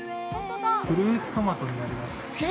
フルーツトマトになりますね。